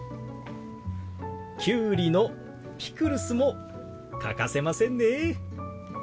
キュウリのピクルスも欠かせませんね。